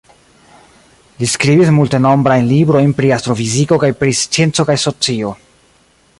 Li skribis multenombrajn librojn pri astrofiziko kaj pri scienco kaj socio.